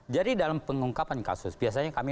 jadi dalam pengungkapan kasus biasanya kami